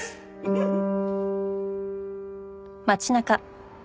フフフッ。